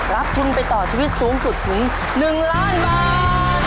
รับทุนไปต่อชีวิตสูงสุดถึง๑ล้านบาท